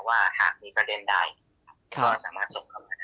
ว่าหากมีประเด็นใดก็สามารถส่งเข้ามาได้